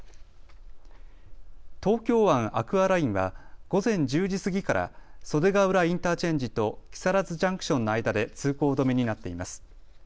東京湾アクアラインは午前１０時過ぎから袖ヶ浦インターチェンジと木更津ジャンクションの間で通行止めになっています。